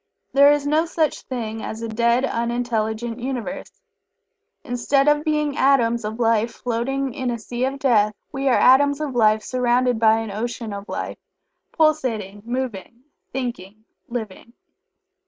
There is no such thing as a dead, unintelligent Universe. _Instead of being atoms of Life floating in a sea of death, we are atoms of Life surrounded by an ocean of Life, pulsating, moving, thinking, living.